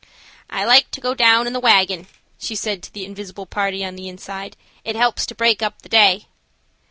"I like to go down in the wagon," she said to the invisible party on the inside. "It helps to break up the day."